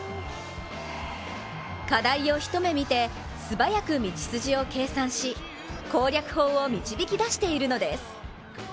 課題を一目見て、素早く道筋を計算し攻略法を導き出しているのです。